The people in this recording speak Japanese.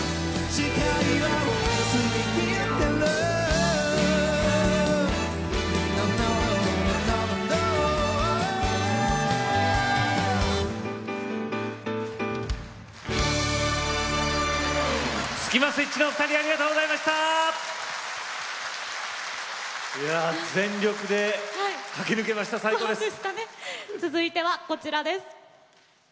続いてはこちらです。